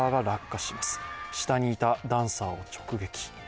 下にいたダンサーを直撃。